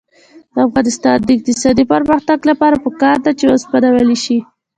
د افغانستان د اقتصادي پرمختګ لپاره پکار ده چې اوسپنه ویلې شي.